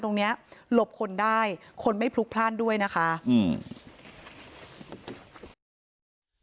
ตรงเนี้ยหลบคนได้คนไม่พลุกพลาดด้วยนะคะอืม